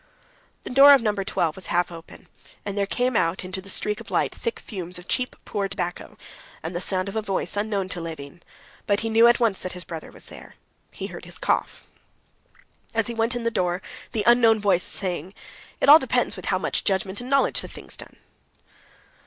The door of No. 12 was half open, and there came out into the streak of light thick fumes of cheap, poor tobacco, and the sound of a voice, unknown to Levin; but he knew at once that his brother was there; he heard his cough. As he went in the door, the unknown voice was saying: "It all depends with how much judgment and knowledge the thing's done."